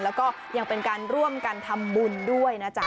แล้วก็ยังเป็นการร่วมกันทำบุญด้วยนะจ๊ะ